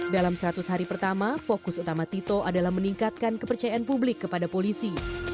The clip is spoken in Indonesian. dalam seratus hari pertama fokus utama tito adalah meningkatkan kepercayaan publik kepada polisi